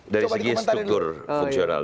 dari segi struktur fungsional